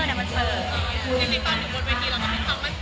มันเหมือนกับมันเหมือนกับมันเหมือนกับ